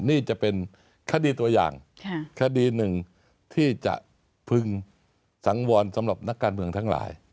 นี่จะเป็นคดีตัวอย่างคดีหนึ่งที่จะพึงสังวรสำหรับนักการเมืองทั้งหลาย